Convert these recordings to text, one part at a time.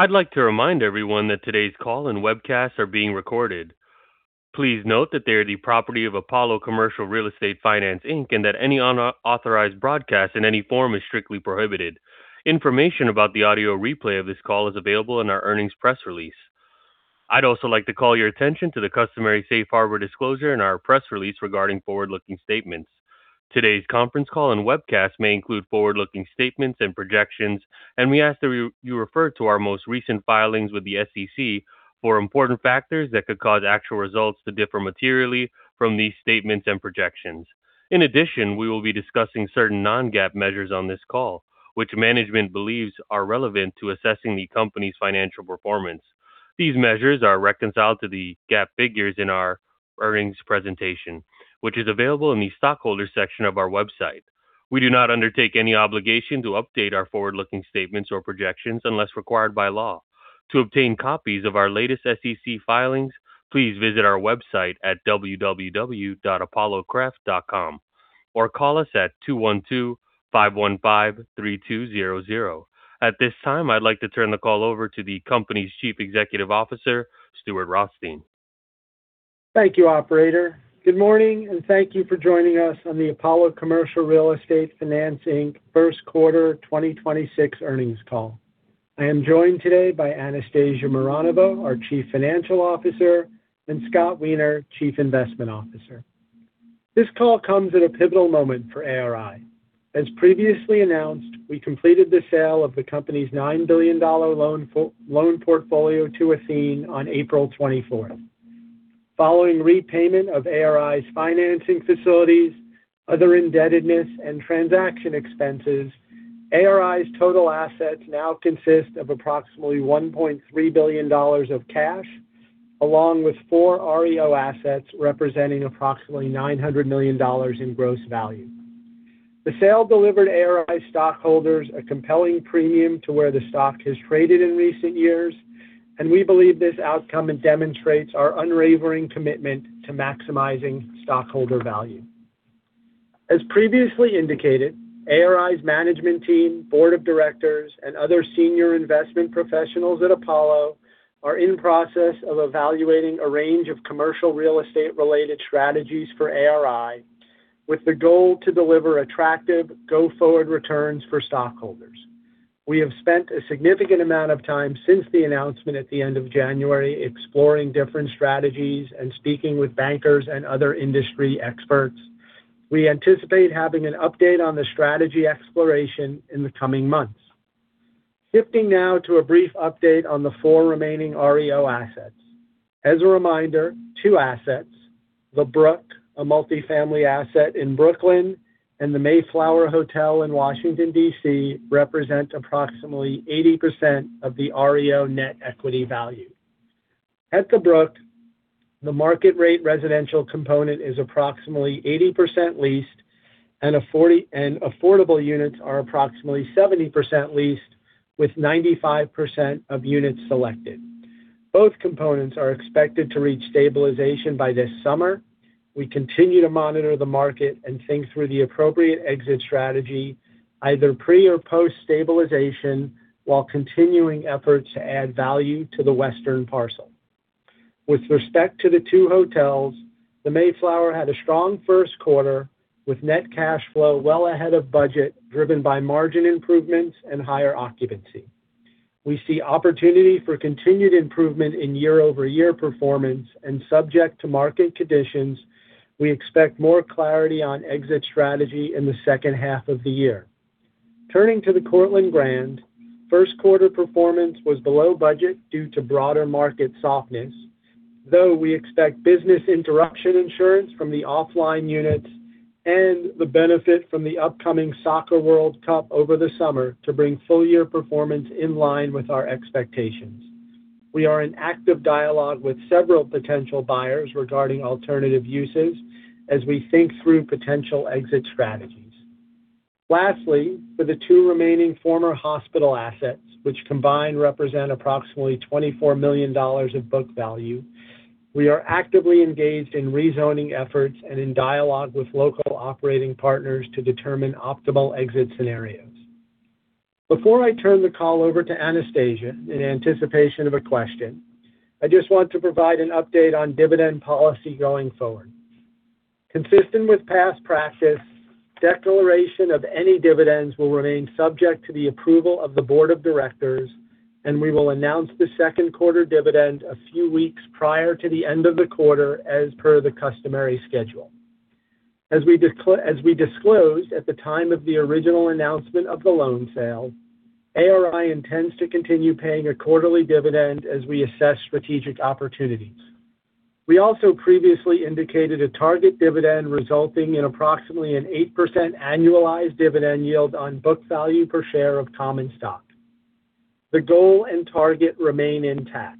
I'd like to remind everyone that today's call and webcast are being recorded. Please note that they are the property of Apollo Commercial Real Estate Finance, Inc., and that any unauthorized broadcast in any form is strictly prohibited. Information about the audio replay of this call is available in our earnings press release. I'd also like to call your attention to the customary safe harbor disclosure in our press release regarding forward-looking statements. Today's conference call and webcast may include forward-looking statements and projections, and we ask that you refer to our most recent filings with the SEC for important factors that could cause actual results to differ materially from these statements and projections. In addition, we will be discussing certain non-GAAP measures on this call, which management believes are relevant to assessing the company's financial performance. These measures are reconciled to the GAAP figures in our earnings presentation, which is available in the stockholders section of our website. We do not undertake any obligation to update our forward-looking statements or projections unless required by law. To obtain copies of our latest SEC filings, please visit our website at www.apollocref.com or call us at 212-515-3200. At this time, I'd like to turn the call over to the company's Chief Executive Officer, Stuart Rothstein. Thank you, operator. Good morning. Thank you for joining us on the Apollo Commercial Real Estate Finance, Inc. Q1 2026 earnings call. I am joined today by Anastasia Mironova, our Chief Financial Officer, and Scott Weiner, Chief Investment Officer. This call comes at a pivotal moment for ARI. As previously announced, we completed the sale of the company's $9 billion loan portfolio to Athene on April 24th. Following repayment of ARI's financing facilities, other indebtedness, and transaction expenses, ARI's total assets now consist of approximately $1.3 billion of cash, along with 4 REO assets representing approximately $900 million in gross value. The sale delivered ARI stockholders a compelling premium to where the stock has traded in recent years. We believe this outcome demonstrates our unwavering commitment to maximizing stockholder value. As previously indicated, ARI's management team, board of directors, and other senior investment professionals at Apollo are in process of evaluating a range of commercial real estate-related strategies for ARI with the goal to deliver attractive go-forward returns for stockholders. We have spent a significant amount of time since the announcement at the end of January exploring different strategies and speaking with bankers and other industry experts. We anticipate having an update on the strategy exploration in the coming months. Shifting now to a brief update on the four remaining REO assets. As a reminder, two assets, The Brook, a multifamily asset in Brooklyn, and The Mayflower Hotel in Washington, D.C., represent approximately 80% of the REO net equity value. At The Brook, the market rate residential component is approximately 80% leased and affordable units are approximately 70% leased with 95% of units selected. Both components are expected to reach stabilization by this summer. We continue to monitor the market and think through the appropriate exit strategy either pre or post-stabilization while continuing efforts to add value to the western parcel. With respect to the two hotels, The Mayflower had a strong Q1 with net cash flow well ahead of budget, driven by margin improvements and higher occupancy. We see opportunity for continued improvement in year-over-year performance and subject to market conditions, we expect more clarity on exit strategy in the H2 of the year. Turning to the Cortland Grand, Q1 performance was below budget due to broader market softness, though we expect business interruption insurance from the offline units and the benefit from the upcoming Soccer World Cup over the summer to bring full year performance in line with our expectations. We are in active dialogue with several potential buyers regarding alternative uses as we think through potential exit strategies. Lastly, for the two remaining former hospital assets, which combined represent approximately $24 million of book value, we are actively engaged in rezoning efforts and in dialogue with local operating partners to determine optimal exit scenarios. Before I turn the call over to Anastasia in anticipation of a question, I just want to provide an update on dividend policy going forward. Consistent with past practice, declaration of any dividends will remain subject to the approval of the board of directors, and we will announce the Q2 dividend a few weeks prior to the end of the quarter as per the customary schedule. As we disclosed at the time of the original announcement of the loan sale, ARI intends to continue paying a quarterly dividend as we assess strategic opportunities. We also previously indicated a target dividend resulting in approximately an 8% annualized dividend yield on book value per share of common stock. The goal and target remain intact.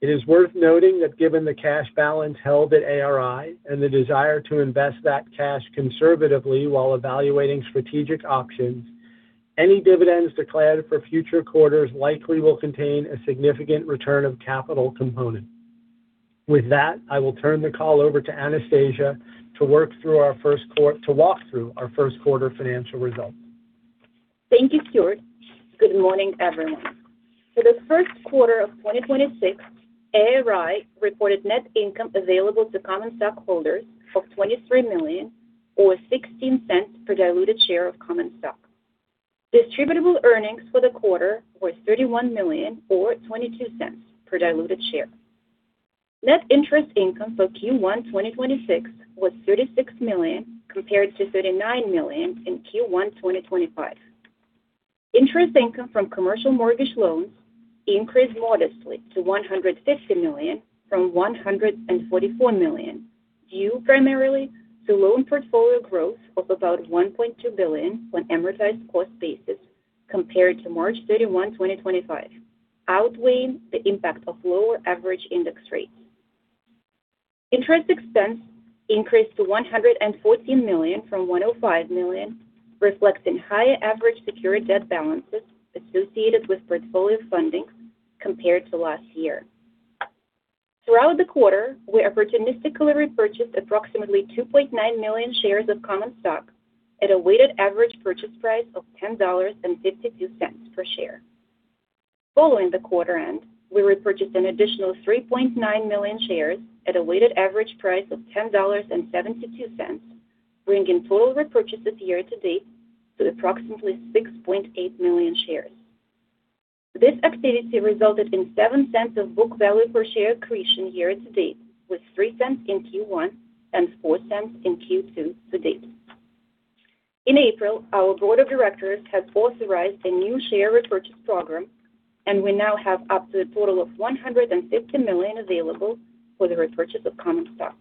It is worth noting that given the cash balance held at ARI and the desire to invest that cash conservatively while evaluating strategic options, any dividends declared for future quarters likely will contain a significant return of capital component. With that, I will turn the call over to Anastasia Mironova to walk through our Q1 financial results. Thank you, Stuart. Good morning, everyone. For the Q1 of 2026, ARI reported net income available to common stockholders of $23 million or $0.16 per diluted share of common stock. Distributable earnings for the quarter was $31 million or $0.22 per diluted share. Net interest income for Q1 2026 was $36 million compared to $39 million in Q1 2025. Interest income from commercial mortgage loans increased modestly to $150 million from $144 million due primarily to loan portfolio growth of about $1.2 billion when amortized cost basis compared to March 31, 2025, outweighing the impact of lower average index rates. Interest expense increased to $114 million from $105 million, reflecting higher average secured debt balances associated with portfolio funding compared to last year. Throughout the quarter, we opportunistically repurchased approximately 2.9 million shares of common stock at a weighted average purchase price of $10.52 per share. Following the quarter end, we repurchased an additional 3.9 million shares at a weighted average price of $10.72, bringing total repurchases year to date-to-approximately 6.8 million shares. This activity resulted in $0.07 of book value per share accretion year-to-date, with $0.03 in Q1 and $0.04 in Q2-to-date. In April, our board of directors has authorized a new share repurchase program, and we now have up to a total of $150 million available for the repurchase of common stock.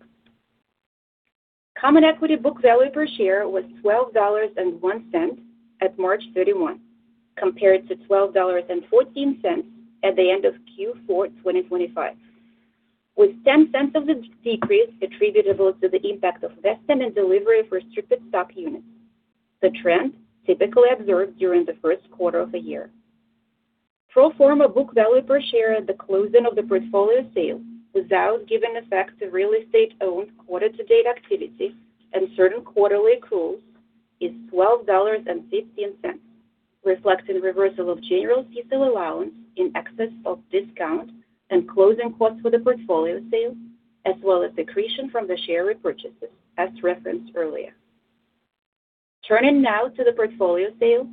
Common equity book value per share was $12.01 at March 31, compared to $12.14 at the end of Q4 2025, with $0.10 of the decrease attributable to the impact of vested and delivery of restricted stock units, the trend typically observed during the Q1 of a year. Pro forma book value per share at the closing of the portfolio sale without giving effect to REO quarter-to-date activity and certain quarterly accruals is $12.15, reflecting reversal of general CECL allowance in excess of discount and closing costs for the portfolio sale, as well as accretion from the share repurchases, as referenced earlier. Turning now to the portfolio sale,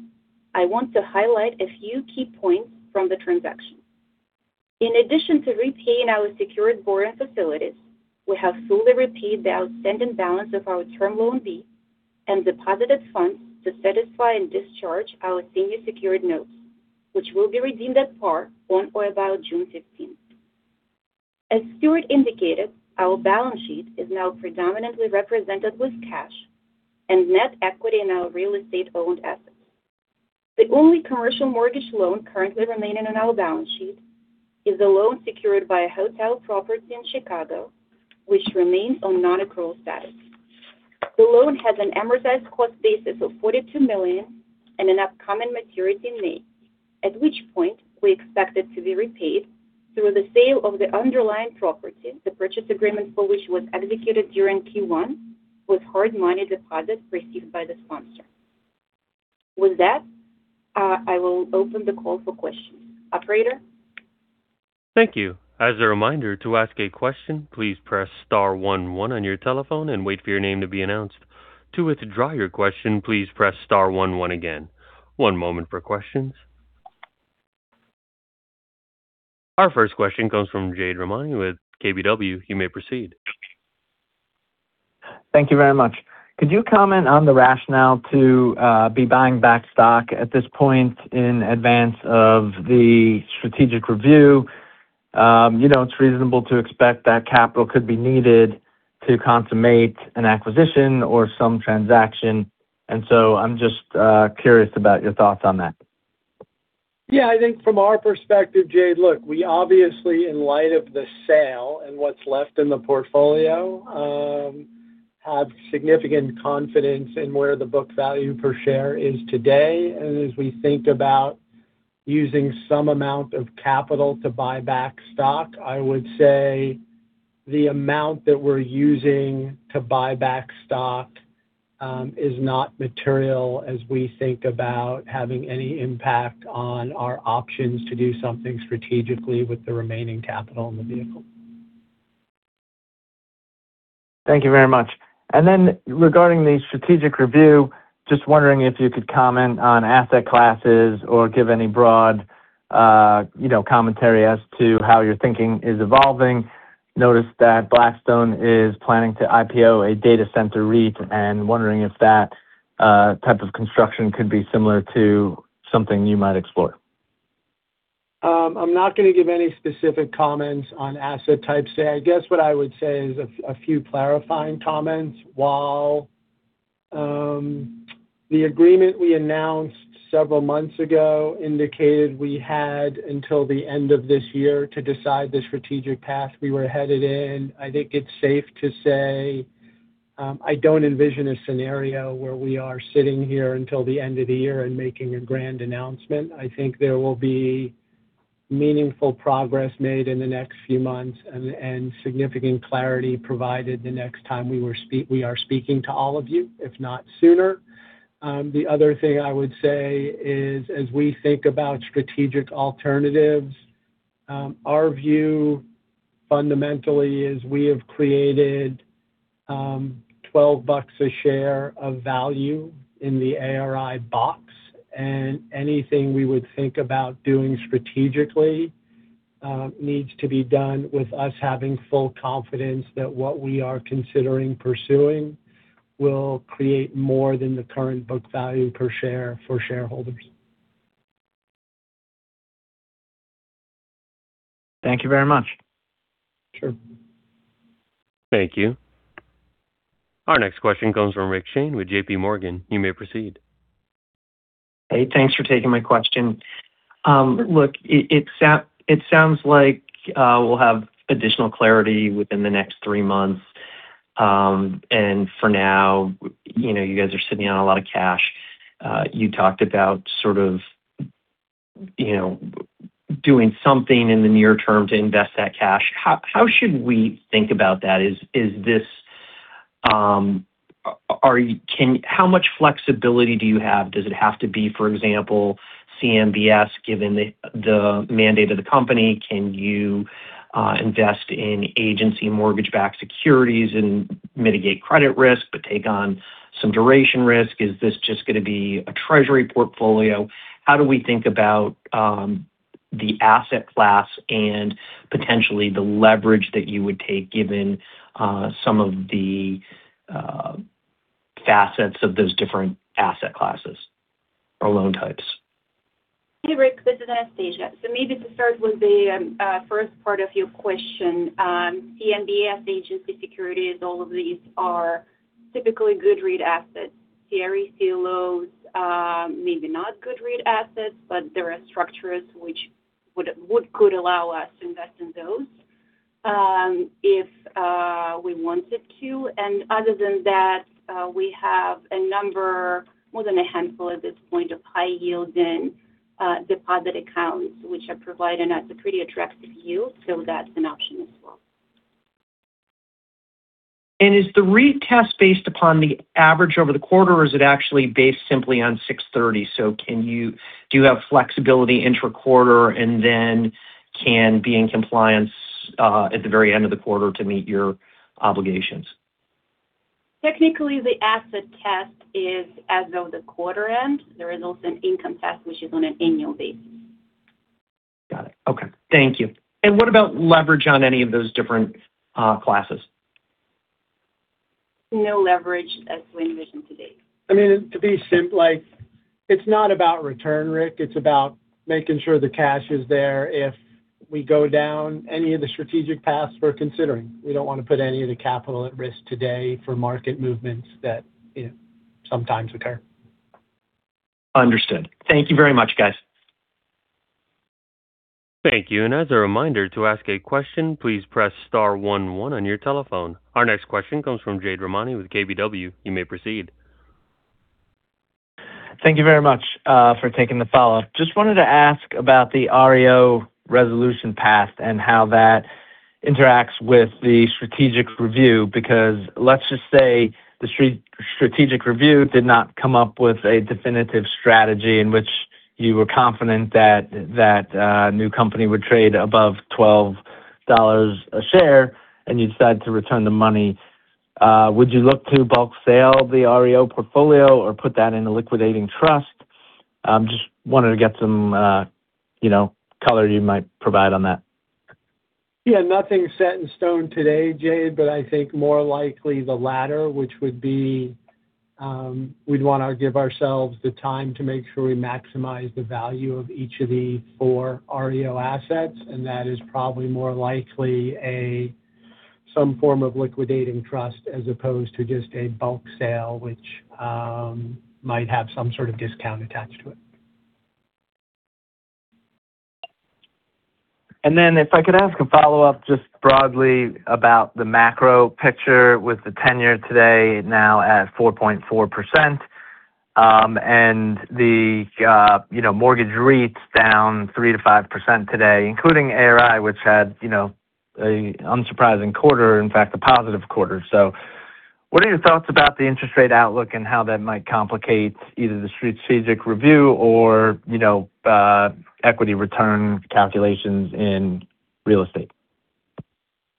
I want to highlight a few key points from the transaction. In addition to repaying our secured borrowing facilities, we have fully repaid the outstanding balance of our Term Loan B and deposited funds to satisfy and discharge our senior secured notes, which will be redeemed at par on or about June 15th. As Stuart indicated, our balance sheet is now predominantly represented with cash and net equity in our real estate owned assets. The only commercial mortgage loan currently remaining on our balance sheet is a loan secured by a hotel property in Chicago, which remains on non-accrual status. The loan has an amortized cost basis of $42 million and an upcoming maturity in May, at which point we expect it to be repaid through the sale of the underlying property, the purchase agreement for which was executed during Q1 with hard money deposits received by the sponsor. With that, I will open the call for questions. Operator? Thank you. Our first question comes from Jade Rahmani with KBW. You may proceed. Thank you very much. Could you comment on the rationale to be buying back stock at this point in advance of the strategic review? You know, it's reasonable to expect that capital could be needed to consummate an acquisition or some transaction. I'm just curious about your thoughts on that. Yeah. I think from our perspective, Jade, look, we obviously in light of the sale and what's left in the portfolio, have significant confidence in where the book value per share is today. As we think about using some amount of capital to buy back stock, I would say the amount that we're using to buy back stock, is not material as we think about having any impact on our options to do something strategically with the remaining capital in the vehicle. Thank you very much. Regarding the strategic review, just wondering if you could comment on asset classes or give any broad, you know, commentary as to how your thinking is evolving. Noticed that Blackstone is planning to IPO a data center REIT, wondering if that type of construction could be similar to something you might explore. I'm not gonna give any specific comments on asset types. I guess what I would say is a few clarifying comments. While the agreement we announced several months ago indicated we had until the end of this year to decide the strategic path we were headed in, I think it's safe to say, I don't envision a scenario where we are sitting here until the end of the year and making a grand announcement. I think there will be meaningful progress made in the next few months and significant clarity provided the next time we are speaking to all of you, if not sooner. The other thing I would say is, as we think about strategic alternatives, our view fundamentally is we have created $12 a share of value in the ARI box, and anything we would think about doing strategically, needs to be done with us having full confidence that what we are considering pursuing will create more than the current book value per share for shareholders. Thank you very much. Sure. Thank you. Our next question comes from Richard Shane with JPMorgan. You may proceed. Hey, thanks for taking my question. Look, it sounds like we'll have additional clarity within the next three months. For now, you know, you guys are sitting on a lot of cash. You talked about sort of, you know, doing something in the near term to invest that cash. How should we think about that? Is this? How much flexibility do you have? Does it have to be, for example, CMBS, given the mandate of the company? Can you invest in agency mortgage-backed securities and mitigate credit risk, but take on some duration risk? Is this just gonna be a treasury portfolio? How do we think about the asset class and potentially the leverage that you would take given some of the facets of those different asset classes or loan types? Hey, Rick. This is Anastasia. Maybe to start with the first part of your question, CMBS agency securities, all of these are typically good REIT assets. CRE CLOs, maybe not good REIT assets, but there are structures which could allow us to invest in those, if we wanted to. Other than that, we have a number, more than a handful at this point, of high yield in deposit accounts, which have provided us a pretty attractive yield, that's an option as well. Is the REIT test based upon the average over the quarter, or is it actually based simply on June 30? Do you have flexibility intra-quarter and then can be in compliance at the very end of the quarter to meet your obligations? Technically, the asset test is as though the quarter ends. There is also an income test which is on an annual basis. Got it. Okay. Thank you. What about leverage on any of those different classes? No leverage as we envision to date. I mean, it's not about return, Rick. It's about making sure the cash is there if we go down any of the strategic paths we're considering. We don't want to put any of the capital at risk today for market movements that, you know, sometimes occur. Understood. Thank you very much, guys. Thank you. As a reminder, to ask a question, please press star one one on your telephone. Our next question comes from Jade Rahmani with KBW. You may proceed. Thank you very much for taking the follow-up. Just wanted to ask about the REO resolution path and how that interacts with the strategic review. Let's just say the strategic review did not come up with a definitive strategy in which you were confident that new company would trade above $12 a share, and you decide to return the money. Would you look to bulk sale the REO portfolio or put that in a liquidating trust? Just wanted to get some, you know, color you might provide on that. Yeah, nothing's set in stone today, Jade, I think more likely the latter, which would be, we'd want to give ourselves the time to make sure we maximize the value of each of the four REO assets. That is probably more likely a, some form of liquidating trust as opposed to just a bulk sale, which might have some sort of discount attached to it. If I could ask a follow-up just broadly about the macro picture with the 10-year today now at 4.4%, and the, you know, mortgage REITs down 3%-5% today, including ARI, which had, you know, a unsurprising quarter, in fact, a positive quarter. What are your thoughts about the interest rate outlook and how that might complicate either the strategic review or, you know, equity return calculations in real estate?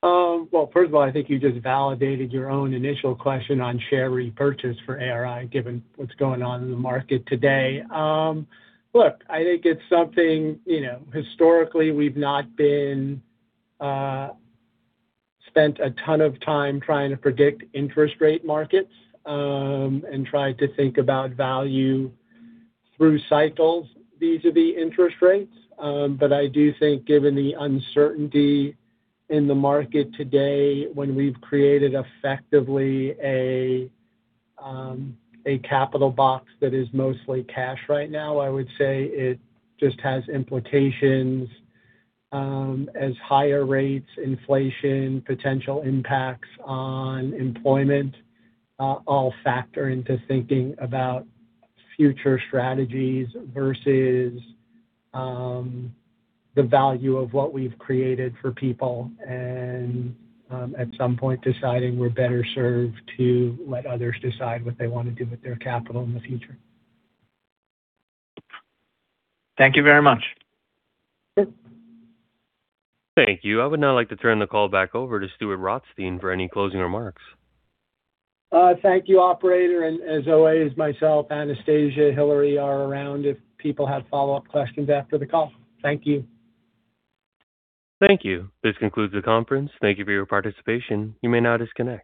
Well, first of all, I think you just validated your own initial question on share repurchase for ARI, given what's going on in the market today. Look, I think it's something, you know, historically, we've not been spent a ton of time trying to predict interest rate markets and trying to think about value through cycles vis-a-vis interest rates. I do think given the uncertainty in the market today, when we've created effectively a capital box that is mostly cash right now, I would say it just has implications as higher rates, inflation, potential impacts on employment, all factor into thinking about future strategies versus the value of what we've created for people and, at some point, deciding we're better served to let others decide what they want to do with their capital in the future. Thank you very much. Sure. Thank you. I would now like to turn the call back over to Stuart Rothstein for any closing remarks. Thank you, operator. As always, myself, Anastasia, Hillary are around if people have follow-up questions after the call. Thank you. Thank you. This concludes the conference. Thank you for your participation. You may now disconnect.